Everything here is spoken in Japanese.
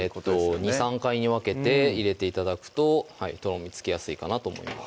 ２３回に分けて入れて頂くととろみつきやすいかなと思います